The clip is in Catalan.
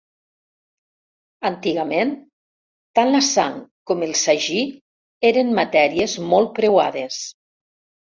Antigament, tant la sang com el sagí eren matèries molt preuades.